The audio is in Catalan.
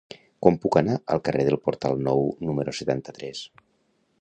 Com puc anar al carrer del Portal Nou número setanta-tres?